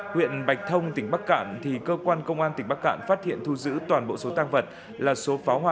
huyện bạch thông tỉnh bắc cạn thì cơ quan công an tỉnh bắc cạn phát hiện thu giữ toàn bộ số tăng vật là số pháo hoa